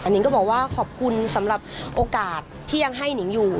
นิงก็บอกว่าขอบคุณสำหรับโอกาสที่ยังให้นิงอยู่